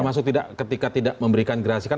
termasuk ketika tidak memberikan gerasi kan